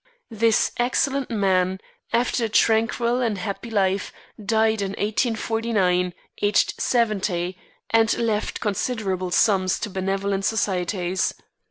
This excellent man, after a tranquil and happy life, died in 1849, aged seventy, and left considerable sums to benevolent societies.